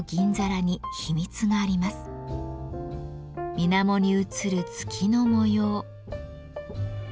みなもに映る月の模様。